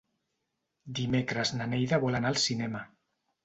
Dimecres na Neida vol anar al cinema.